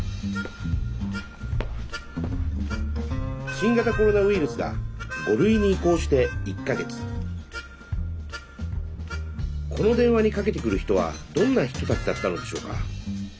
新型コロナウイルスが５類に移行して１か月この電話にかけてくる人はどんな人たちだったのでしょうか。